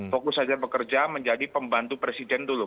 fokus saja bekerja menjadi pembantu presiden dulu